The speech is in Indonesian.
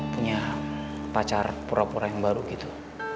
punya pacar pura pura yang baru gitu